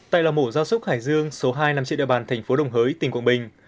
tại lò mổ gia súc hải dương số hai nằm trên địa bàn thành phố đồng hới tỉnh quảng bình